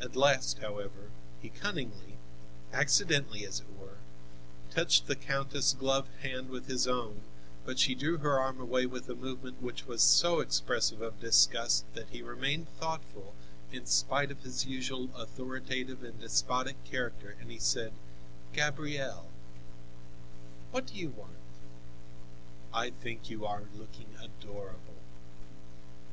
At last, however, he cunningly, accidentally as it were, touched the countess' gloved hand with his own, but she drew her arm away with a movement which was so expressive of disgust that he remained thoughtful, in spite of his usual authoritative and despotic character, and he said: "Gabrielle!" "What do you want?" "I think you are looking adorable."